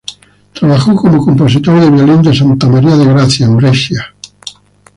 Trabajó como compositor de violín de Santa María de Gracia en Brescia.